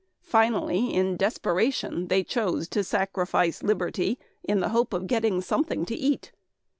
Finally, in desperation, they chose to sacrifice liberty in the hope of getting something to eat.